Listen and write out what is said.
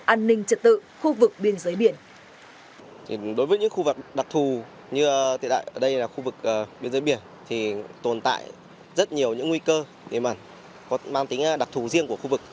an ninh trật tự khu vực biên giới biển